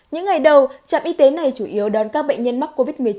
những ngày đầu trạm y tế này chủ yếu đón các bệnh nhân mắc covid một mươi chín